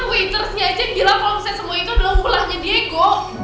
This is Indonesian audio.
waiter nya aja gila kalau semua itu adalah ulahnya diego